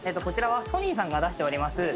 こちらはＳＯＮＹさんが出しております